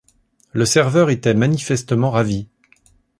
Le serveur était manifestement ravi.